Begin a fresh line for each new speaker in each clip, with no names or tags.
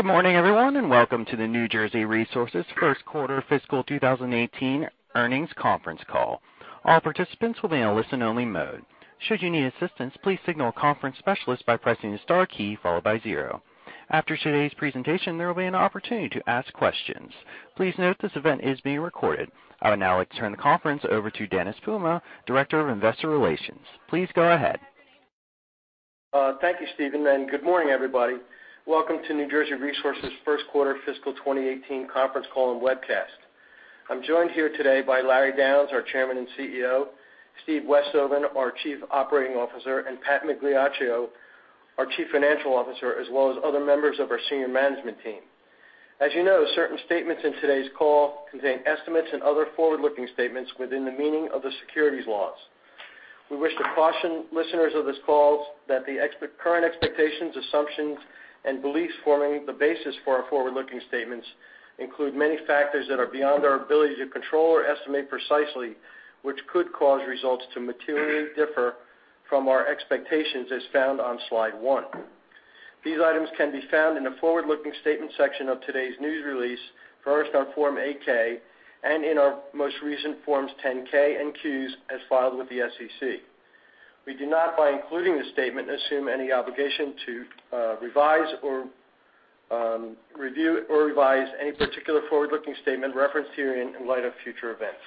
Good morning, everyone, and welcome to the New Jersey Resources first quarter fiscal 2018 earnings conference call. All participants will be in a listen-only mode. Should you need assistance, please signal a conference specialist by pressing the star key followed by zero. After today's presentation, there will be an opportunity to ask questions. Please note this event is being recorded. I would now like to turn the conference over to Dennis Puma, Director of Investor Relations. Please go ahead.
Thank you, Steven, good morning, everybody. Welcome to New Jersey Resources' first quarter fiscal 2018 conference call and webcast. I'm joined here today by Larry Downes, our Chairman and CEO, Steve Westhoven, our Chief Operating Officer, and Pat Migliaccio, our Chief Financial Officer, as well as other members of our senior management team. As you know, certain statements in today's call contain estimates and other forward-looking statements within the meaning of the securities laws. We wish to caution listeners of this call that the current expectations, assumptions, and beliefs forming the basis for our forward-looking statements include many factors that are beyond our ability to control or estimate precisely, which could cause results to materially differ from our expectations as found on slide one. These items can be found in the forward-looking statement section of today's news release, first on Form 8-K, and in our most recent Forms 10-K and Qs as filed with the SEC. We do not, by including this statement, assume any obligation to review or revise any particular forward-looking statement referenced herein in light of future events.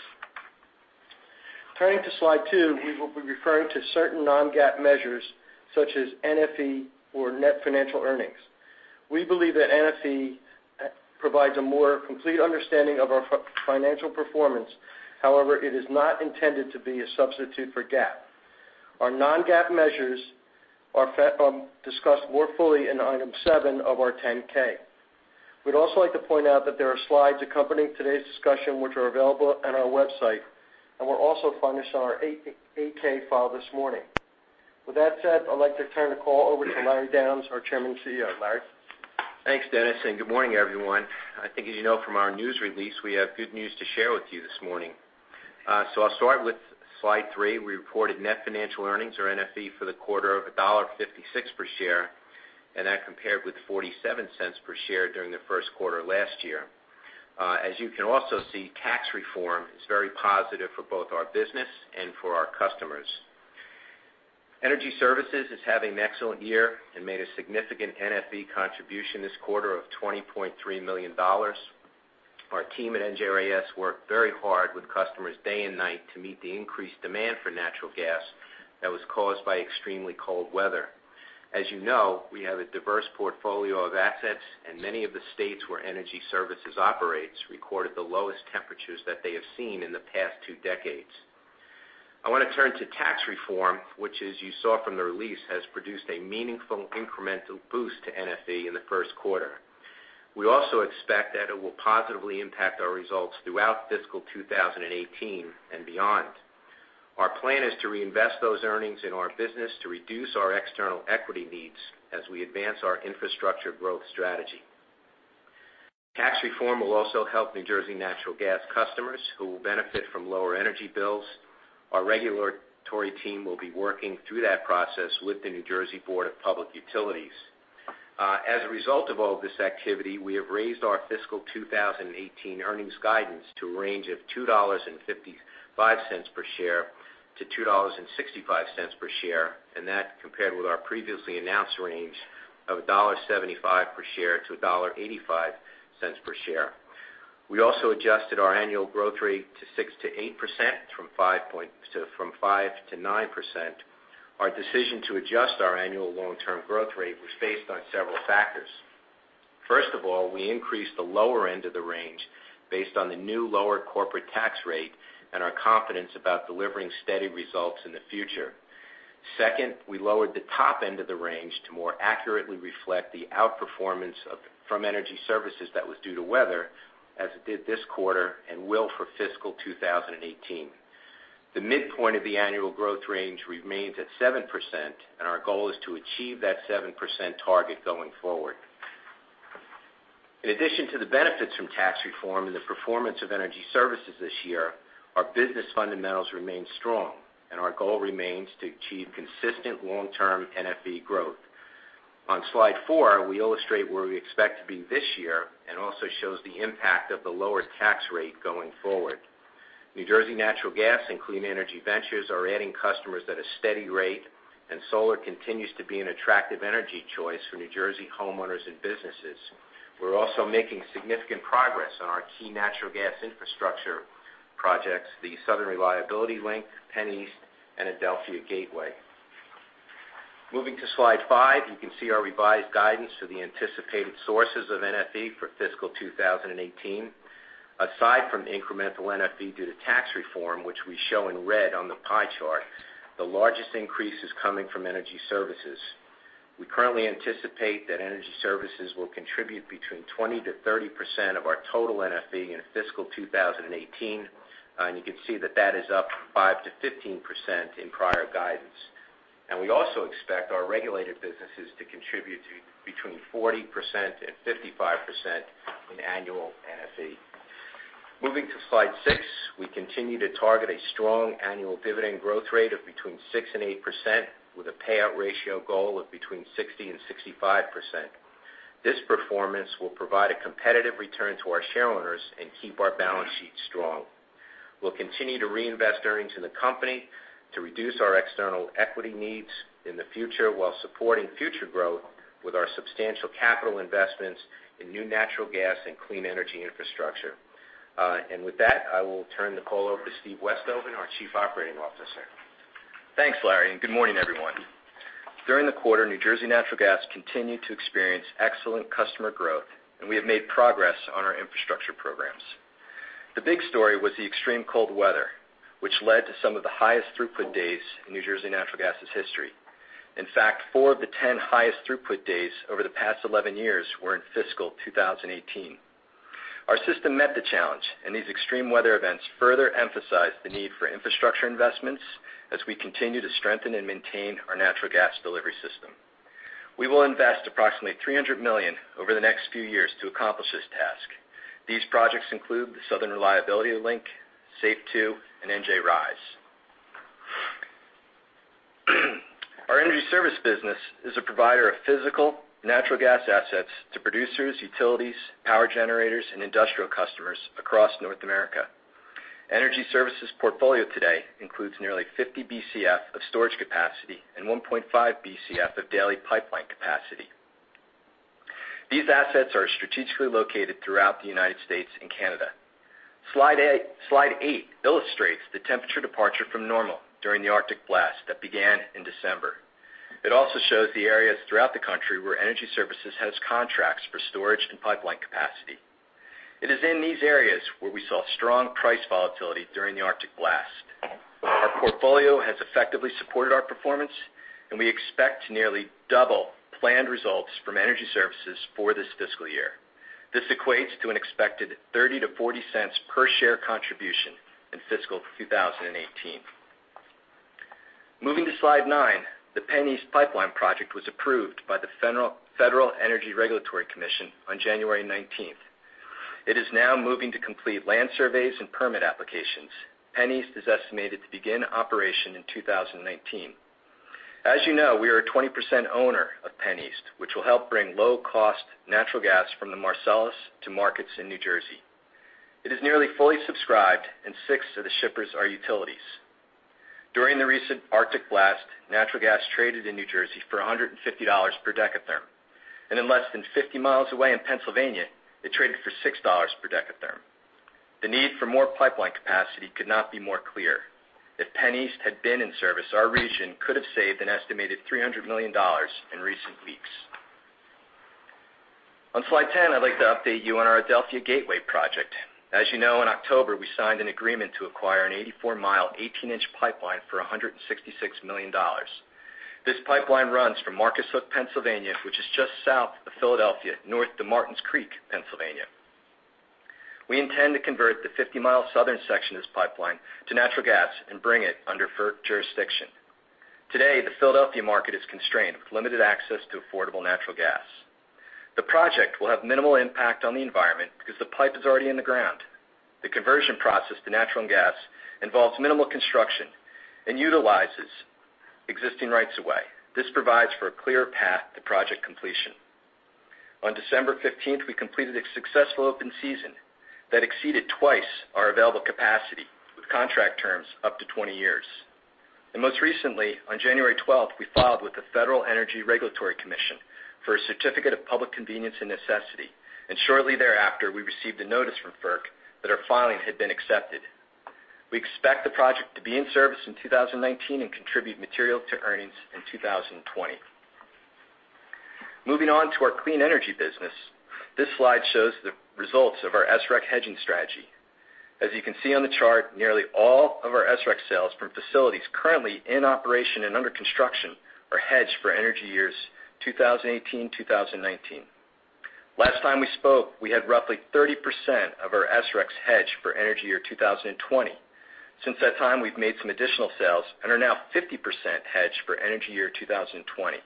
Turning to slide two, we will be referring to certain non-GAAP measures, such as NFE or net financial earnings. We believe that NFE provides a more complete understanding of our financial performance. However, it is not intended to be a substitute for GAAP. Our non-GAAP measures are discussed more fully in item seven of our 10-K. We'd also like to point out that there are slides accompanying today's discussion, which are available on our website, and were also filed in our 8-K file this morning. With that said, I'd like to turn the call over to Larry Downes, our Chairman and CEO. Larry?
Thanks, Dennis, and good morning, everyone. I think, as you know from our news release, we have good news to share with you this morning. I'll start with slide three. We reported net financial earnings or NFE for the quarter of $1.56 per share, and that compared with $0.47 per share during the first quarter last year. As you can also see, tax reform is very positive for both our business and for our customers. Energy Services is having an excellent year and made a significant NFE contribution this quarter of $20.3 million. Our team at NJNG worked very hard with customers day and night to meet the increased demand for natural gas that was caused by extremely cold weather. As you know, we have a diverse portfolio of assets, and many of the states where Energy Services operates recorded the lowest temperatures that they have seen in the past two decades. I want to turn to tax reform, which, as you saw from the release, has produced a meaningful incremental boost to NFE in the first quarter. We also expect that it will positively impact our results throughout fiscal 2018 and beyond. Our plan is to reinvest those earnings in our business to reduce our external equity needs as we advance our infrastructure growth strategy. Tax reform will also help New Jersey Natural Gas customers who will benefit from lower energy bills. Our regulatory team will be working through that process with the New Jersey Board of Public Utilities. As a result of all of this activity, we have raised our fiscal 2018 earnings guidance to a range of $2.55-$2.65 per share, and that compared with our previously announced range of $1.75-$1.85 per share. We also adjusted our annual growth rate to 6%-8% from 5%-9%. Our decision to adjust our annual long-term growth rate was based on several factors. First of all, we increased the lower end of the range based on the new lower corporate tax rate and our confidence about delivering steady results in the future. Second, we lowered the top end of the range to more accurately reflect the outperformance from Energy Services that was due to weather, as it did this quarter and will for fiscal 2018. The midpoint of the annual growth range remains at 7%, and our goal is to achieve that 7% target going forward. In addition to the benefits from tax reform and the performance of Energy Services this year, our business fundamentals remain strong, and our goal remains to achieve consistent long-term NFE growth. On slide four, we illustrate where we expect to be this year and it also shows the impact of the lower tax rate going forward. New Jersey Natural Gas and Clean Energy Ventures are adding customers at a steady rate, and solar continues to be an attractive energy choice for New Jersey homeowners and businesses. We're also making significant progress on our key natural gas infrastructure projects, the Southern Reliability Link, PennEast, and Adelphia Gateway. Moving to slide five, you can see our revised guidance to the anticipated sources of NFE for fiscal 2018. Aside from the incremental NFE due to tax reform, which we show in red on the pie chart, the largest increase is coming from Energy Services. We currently anticipate that Energy Services will contribute between 20%-30% of our total NFE in fiscal 2018. You can see that that is up 5%-15% in prior guidance. We also expect our regulated businesses to contribute between 40% and 55% in annual NFE.
Moving to slide six, we continue to target a strong annual dividend growth rate of between 6% and 8%, with a payout ratio goal of between 60% and 65%. This performance will provide a competitive return to our shareholders and keep our balance sheet strong. We'll continue to reinvest earnings in the company to reduce our external equity needs in the future, while supporting future growth with our substantial capital investments in new natural gas and clean energy infrastructure. With that, I will turn the call over to Steve Westhoven, our Chief Operating Officer.
Thanks, Larry. Good morning, everyone. During the quarter, New Jersey Natural Gas continued to experience excellent customer growth. We have made progress on our infrastructure programs. The big story was the extreme cold weather, which led to some of the highest throughput days in New Jersey Natural Gas' history. In fact, four of the 10 highest throughput days over the past 11 years were in fiscal 2018. Our system met the challenge. These extreme weather events further emphasized the need for infrastructure investments as we continue to strengthen and maintain our natural gas delivery system. We will invest approximately $300 million over the next few years to accomplish this task. These projects include the Southern Reliability Link, SAFE II, and NJ RISE. Our Energy Services business is a provider of physical natural gas assets to producers, utilities, power generators, and industrial customers across North America. Energy Services portfolio today includes nearly 50 Bcf of storage capacity and 1.5 Bcf of daily pipeline capacity. These assets are strategically located throughout the U.S. and Canada. Slide eight illustrates the temperature departure from normal during the Arctic blast that began in December. It also shows the areas throughout the country where Energy Services has contracts for storage and pipeline capacity. It is in these areas where we saw strong price volatility during the Arctic blast. Our portfolio has effectively supported our performance. We expect to nearly double planned results from Energy Services for this fiscal year. This equates to an expected $0.30-$0.40 per share contribution in fiscal 2018. Moving to slide nine, the PennEast Pipeline project was approved by the Federal Energy Regulatory Commission on January 19th. It is now moving to complete land surveys and permit applications. PennEast is estimated to begin operation in 2019. As you know, we are a 20% owner of PennEast, which will help bring low-cost natural gas from the Marcellus to markets in New Jersey. It is nearly fully subscribed and six of the shippers are utilities. During the recent Arctic blast, natural gas traded in New Jersey for $150 per dekatherm, and in less than 50 miles away in Pennsylvania, it traded for $6 per dekatherm. The need for more pipeline capacity could not be more clear. If PennEast had been in service, our region could have saved an estimated $300 million in recent weeks. On slide 10, I'd like to update you on our Adelphia Gateway project. As you know, in October, we signed an agreement to acquire an 84-mile, 18-inch pipeline for $166 million. This pipeline runs from Marcus Hook, Pennsylvania, which is just south of Philadelphia, north to Martins Creek, Pennsylvania. We intend to convert the 50-mile southern section of this pipeline to natural gas and bring it under FERC jurisdiction. Today, the Philadelphia market is constrained with limited access to affordable natural gas. The project will have minimal impact on the environment because the pipe is already in the ground. The conversion process to natural gas involves minimal construction and utilizes existing rights of way. This provides for a clear path to project completion. On December 15th, we completed a successful open season that exceeded twice our available capacity with contract terms up to 20 years. Most recently, on January 12th, we filed with the Federal Energy Regulatory Commission for a certificate of public convenience and necessity, and shortly thereafter, we received a notice from FERC that our filing had been accepted. We expect the project to be in service in 2019 and contribute material to earnings in 2020. Moving on to our clean energy business. This slide shows the results of our SREC hedging strategy. As you can see on the chart, nearly all of our SREC sales from facilities currently in operation and under construction are hedged for energy years 2018, 2019. Last time we spoke, we had roughly 30% of our SRECs hedged for energy year 2020. Since that time, we've made some additional sales and are now 50% hedged for energy year 2020.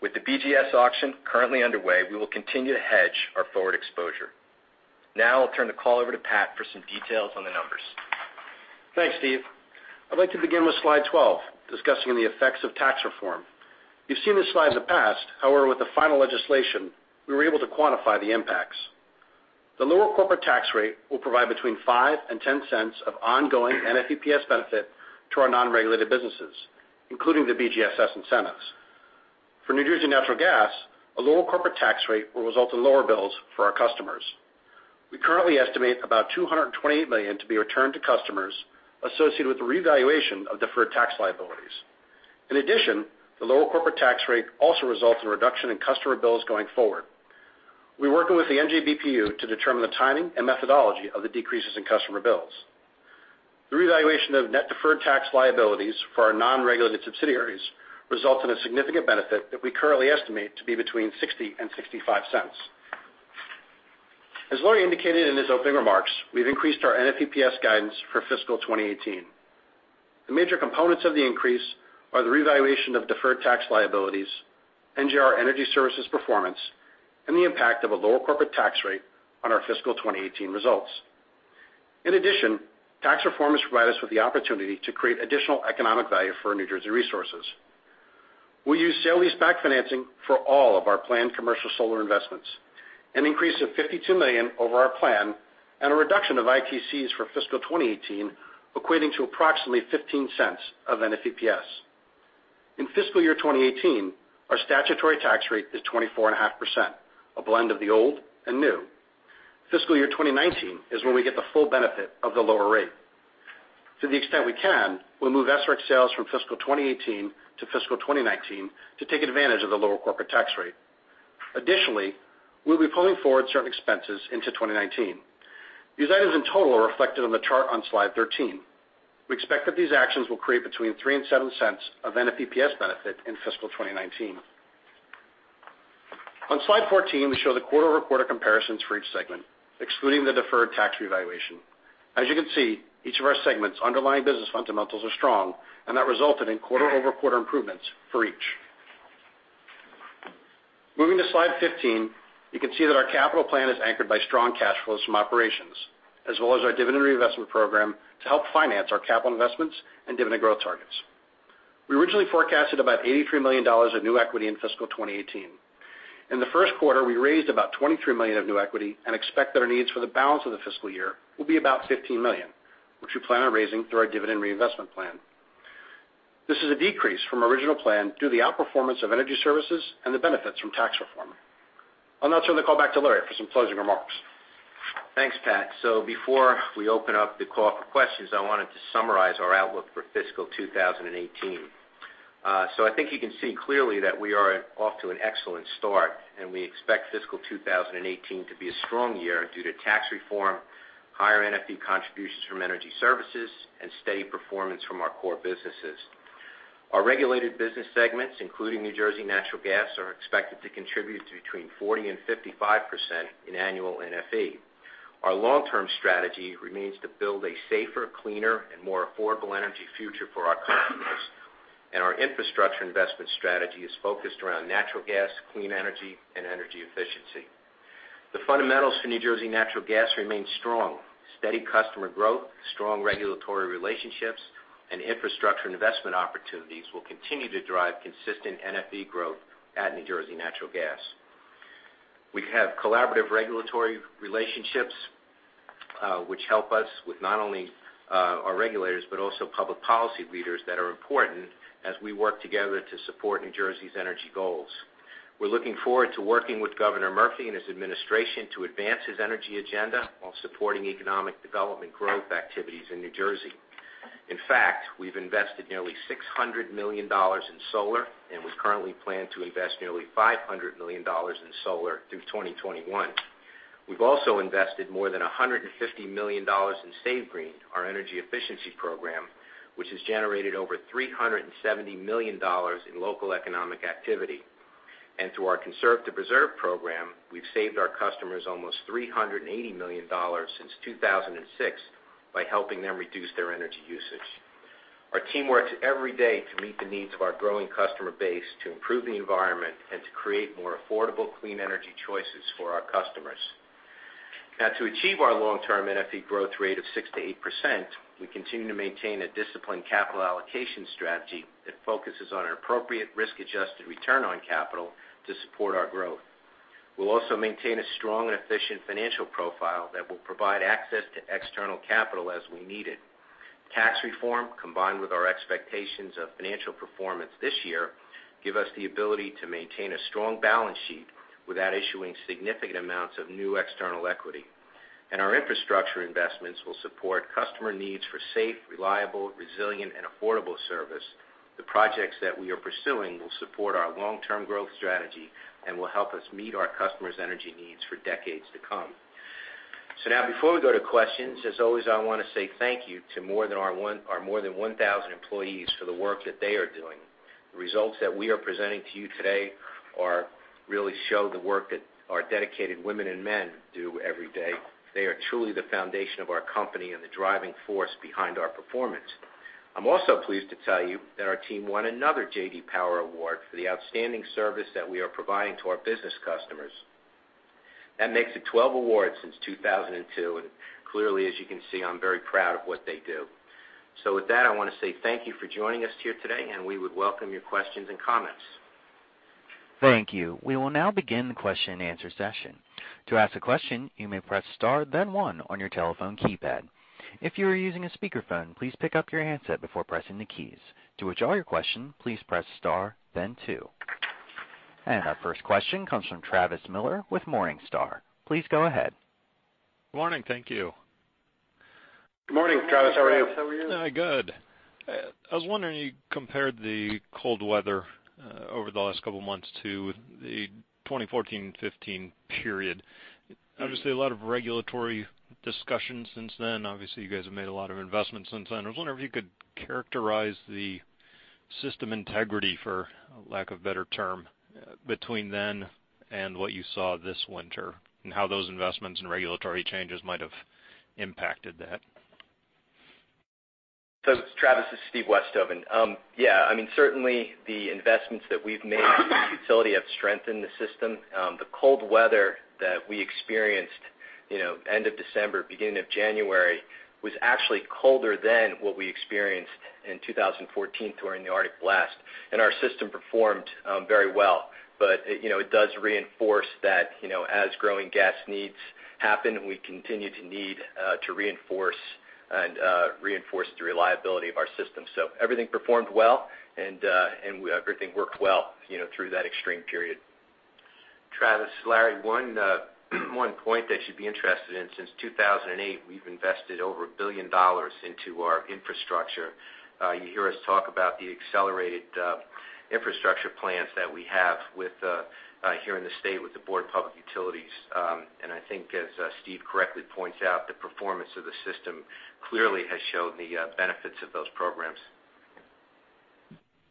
With the BGS auction currently underway, we will continue to hedge our forward exposure. Now, I'll turn the call over to Pat for some details on the numbers.
Thanks, Steve. I'd like to begin with slide 12, discussing the effects of tax reform. You've seen this slide in the past. However, with the final legislation, we were able to quantify the impacts. The lower corporate tax rate will provide between $0.05 and $0.10 of ongoing NFEPS benefit to our non-regulated businesses, including the BGSS incentives. For New Jersey Natural Gas, a lower corporate tax rate will result in lower bills for our customers. We currently estimate about $228 million to be returned to customers associated with the revaluation of deferred tax liabilities. In addition, the lower corporate tax rate also results in a reduction in customer bills going forward. We're working with the NJBPU to determine the timing and methodology of the decreases in customer bills. The revaluation of net deferred tax liabilities for our non-regulated subsidiaries result in a significant benefit that we currently estimate to be between $0.60 and $0.65. As Larry indicated in his opening remarks, we've increased our NFEPS guidance for fiscal 2018. The major components of the increase are the revaluation of deferred tax liabilities, NJR Energy Services performance, and the impact of a lower corporate tax rate on our fiscal 2018 results. In addition, tax reform has provided us with the opportunity to create additional economic value for New Jersey Resources. We use sale leaseback financing for all of our planned commercial solar investments, an increase of $52 million over our plan, and a reduction of ITCs for fiscal 2018 equating to approximately $0.15 of NFEPS. In fiscal year 2018, our statutory tax rate is 24.5%, a blend of the old and new. Fiscal year 2019 is when we get the full benefit of the lower rate. To the extent we can, we'll move SREC sales from fiscal 2018 to fiscal 2019 to take advantage of the lower corporate tax rate. We'll be pulling forward certain expenses into 2019. These items in total are reflected on the chart on slide 13. We expect that these actions will create between $0.03 and $0.07 of NFEPS benefit in fiscal 2019. Slide 14, we show the quarter-over-quarter comparisons for each segment, excluding the deferred tax revaluation. As you can see, each of our segments' underlying business fundamentals are strong, and that resulted in quarter-over-quarter improvements for each. Moving to slide 15, you can see that our capital plan is anchored by strong cash flows from operations, as well as our dividend reinvestment program to help finance our capital investments and dividend growth targets. We originally forecasted about $83 million of new equity in fiscal 2018. In the first quarter, we raised about $23 million of new equity and expect that our needs for the balance of the fiscal year will be about $15 million, which we plan on raising through our dividend reinvestment plan. This is a decrease from original plan through the outperformance of Energy Services and the benefits from tax reform. I'll now turn the call back to Larry for some closing remarks.
Thanks, Pat. Before we open up the call for questions, I wanted to summarize our outlook for fiscal 2018. I think you can see clearly that we are off to an excellent start, and we expect fiscal 2018 to be a strong year due to tax reform, higher NFE contributions from Energy Services, and steady performance from our core businesses. Our regulated business segments, including New Jersey Natural Gas, are expected to contribute between 40%-55% in annual NFE. Our long-term strategy remains to build a safer, cleaner, and more affordable energy future for our customers. Our infrastructure investment strategy is focused around natural gas, clean energy, and energy efficiency. The fundamentals for New Jersey Natural Gas remain strong. Steady customer growth, strong regulatory relationships, and infrastructure investment opportunities will continue to drive consistent NFE growth at New Jersey Natural Gas. We have collaborative regulatory relationships, which help us with not only our regulators but also public policy leaders that are important as we work together to support New Jersey's energy goals. We're looking forward to working with Governor Murphy and his administration to advance his energy agenda while supporting economic development growth activities in New Jersey. In fact, we've invested nearly $600 million in solar, and we currently plan to invest nearly $500 million in solar through 2021. We've also invested more than $150 million in Save Green, our energy efficiency program, which has generated over $370 million in local economic activity. Through our Conserve to Preserve program, we've saved our customers almost $380 million since 2006 by helping them reduce their energy usage. Our team works every day to meet the needs of our growing customer base, to improve the environment, and to create more affordable, clean energy choices for our customers. Now, to achieve our long-term NFE growth rate of 6%-8%, we continue to maintain a disciplined capital allocation strategy that focuses on an appropriate risk-adjusted return on capital to support our growth. We'll also maintain a strong and efficient financial profile that will provide access to external capital as we need it. Tax reform, combined with our expectations of financial performance this year, give us the ability to maintain a strong balance sheet without issuing significant amounts of new external equity. Our infrastructure investments will support customer needs for safe, reliable, resilient, and affordable service. The projects that we are pursuing will support our long-term growth strategy and will help us meet our customers' energy needs for decades to come. Now before we go to questions, as always, I want to say thank you to our more than 1,000 employees for the work that they are doing. The results that we are presenting to you today really show the work that our dedicated women and men do every day. They are truly the foundation of our company and the driving force behind our performance. I'm also pleased to tell you that our team won another J.D. Power Award for the outstanding service that we are providing to our business customers. That makes it 12 awards since 2002, clearly, as you can see, I'm very proud of what they do. With that, I want to say thank you for joining us here today, and we would welcome your questions and comments.
Thank you. We will now begin the question and answer session. To ask a question, you may press star then one on your telephone keypad. If you are using a speakerphone, please pick up your handset before pressing the keys. To withdraw your question, please press star then two. Our first question comes from Travis Miller with Morningstar. Please go ahead.
Good morning. Thank you.
Good morning, Travis. How are you?
Good. I was wondering, you compared the cold weather over the last couple of months to the 2014 and 2015 period. Obviously, a lot of regulatory discussions since then. Obviously, you guys have made a lot of investments since then. I was wondering if you could characterize the System integrity, for lack of better term, between then and what you saw this winter, and how those investments and regulatory changes might have impacted that.
Travis, this is Steve Westhoven. Yeah. Certainly, the investments that we've made in the utility have strengthened the system. The cold weather that we experienced end of December, beginning of January, was actually colder than what we experienced in 2014 during the Arctic blast, and our system performed very well. It does reinforce that as growing gas needs happen, we continue to need to reinforce the reliability of our system. Everything performed well, and everything worked well through that extreme period.
Travis, Larry, one point that you would be interested in, since 2008, we have invested over $1 billion into our infrastructure. You hear us talk about the accelerated infrastructure plans that we have here in the state with the Board of Public Utilities. I think as Steve correctly points out, the performance of the system clearly has shown the benefits of those programs.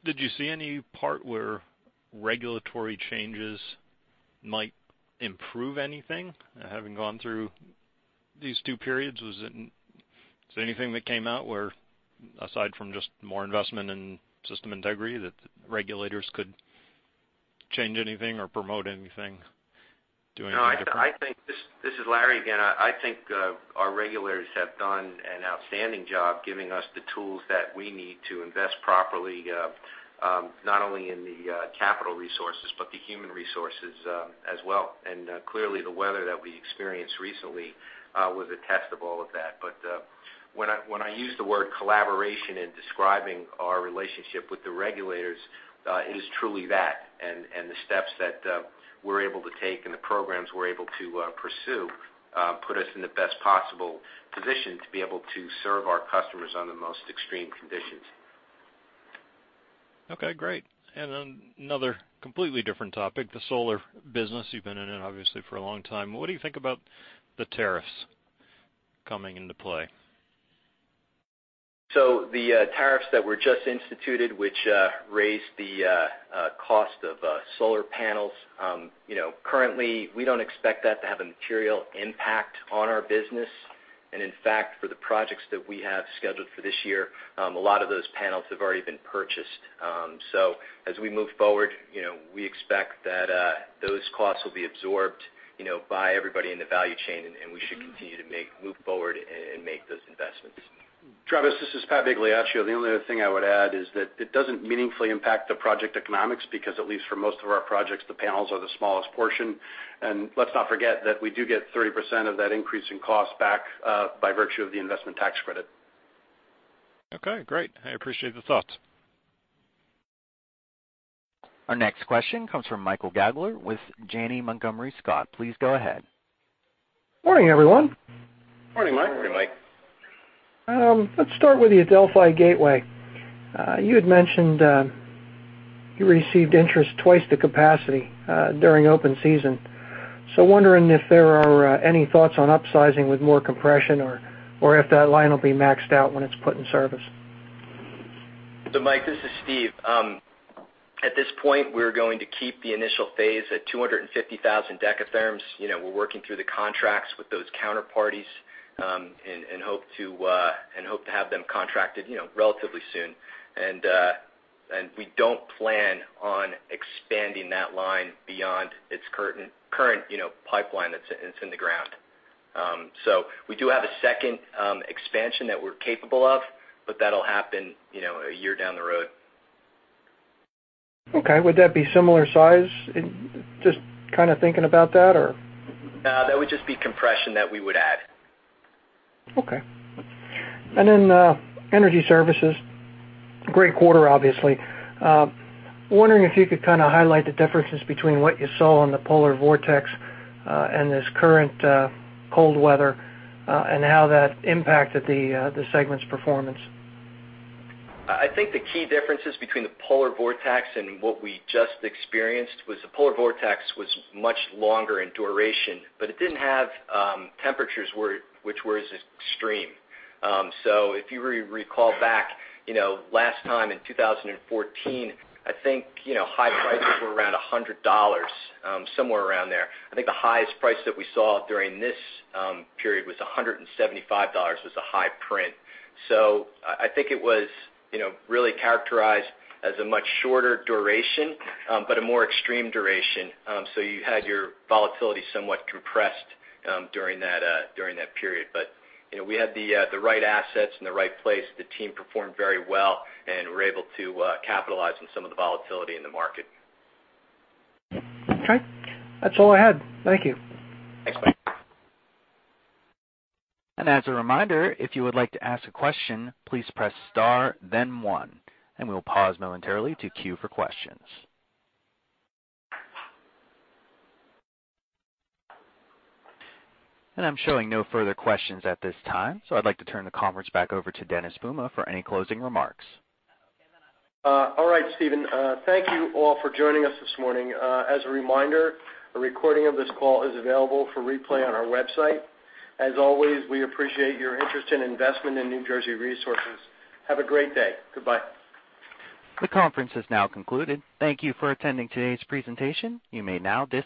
Did you see any part where regulatory changes might improve anything, having gone through these two periods? Was there anything that came out where, aside from just more investment in system integrity, that regulators could change anything or promote anything?
This is Larry again. I think our regulators have done an outstanding job giving us the tools that we need to invest properly, not only in the capital resources, but the human resources as well. Clearly, the weather that we experienced recently was a test of all of that. When I use the word collaboration in describing our relationship with the regulators, it is truly that. The steps that we are able to take and the programs we are able to pursue put us in the best possible position to be able to serve our customers under the most extreme conditions.
Okay, great. Then another completely different topic, the solar business. You have been in it, obviously, for a long time. What do you think about the tariffs coming into play?
The tariffs that were just instituted, which raised the cost of solar panels. Currently, we don't expect that to have a material impact on our business. In fact, for the projects that we have scheduled for this year, a lot of those panels have already been purchased. As we move forward, we expect that those costs will be absorbed by everybody in the value chain, and we should continue to move forward and make those investments.
Travis, this is Pat Migliaccio. The only other thing I would add is that it doesn't meaningfully impact the project economics because at least for most of our projects, the panels are the smallest portion. Let's not forget that we do get 30% of that increase in cost back by virtue of the investment tax credit.
Okay, great. I appreciate the thought.
Our next question comes from Michael Gaugler with Janney Montgomery Scott. Please go ahead.
Morning, everyone.
Morning, Mike.
Morning, Mike.
Let's start with the Adelphia Gateway. You had mentioned you received interest twice the capacity during open season. Wondering if there are any thoughts on upsizing with more compression or if that line will be maxed out when it's put in service.
Mike, this is Steve. At this point, we're going to keep the initial phase at 250,000 dekatherms. We're working through the contracts with those counterparties and hope to have them contracted relatively soon. We don't plan on expanding that line beyond its current pipeline that's in the ground. We do have a second expansion that we're capable of, but that'll happen one year down the road.
Okay. Would that be similar size?
No, that would just be compression that we would add.
Okay. Then Energy Services. Great quarter, obviously. I'm wondering if you could kind of highlight the differences between what you saw on the polar vortex and this current cold weather, and how that impacted the segment's performance.
I think the key differences between the polar vortex and what we just experienced was the polar vortex was much longer in duration, but it didn't have temperatures which were as extreme. If you recall back last time in 2014, I think high prices were around $100, somewhere around there. I think the highest price that we saw during this period was $175 was the high print. I think it was really characterized as a much shorter duration, but a more extreme duration. You had your volatility somewhat compressed during that period. We had the right assets in the right place. The team performed very well, and we were able to capitalize on some of the volatility in the market.
Okay. That's all I had. Thank you.
Thanks, Mike.
As a reminder, if you would like to ask a question, please press star then one, and we will pause momentarily to queue for questions. I'm showing no further questions at this time. I'd like to turn the conference back over to Dennis Puma for any closing remarks.
All right, Steven. Thank you all for joining us this morning. As a reminder, a recording of this call is available for replay on our website. As always, we appreciate your interest and investment in New Jersey Resources. Have a great day. Goodbye.
The conference has now concluded. Thank you for attending today's presentation. You may now disconnect.